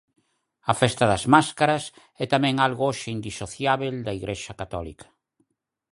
A festa das máscaras é tamén algo hoxe indisociábel da Igrexa católica.